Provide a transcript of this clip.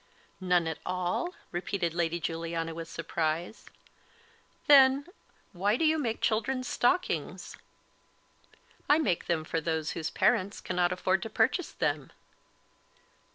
"None at all?" repeated Lady Juliana, with surprise "then, why do you make children's stockings?" "I make them for those whose parents cannot afford to purchase them."